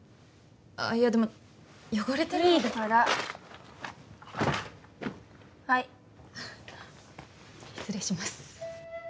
あいやでも汚れていいからはい失礼します